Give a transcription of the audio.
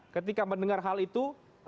ketika mendengar hal itu